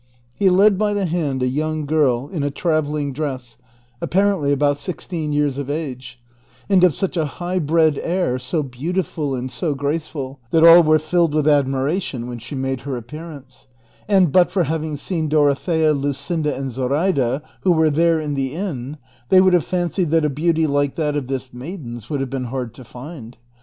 He led by the hand a yoimg girl in a travelling dress, apparently about sixteen years of age, and of such a high bred air, so beautiful and so graceful, that all were iilled with admiration when she made her appearance, and but for having seen Dorothea, Luscinda, and Zoraida, who were there in the inn, they would have fancied that a beauty like #that of this maiden's would have been hard to find.